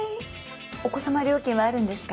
お子様料金はあるんですか？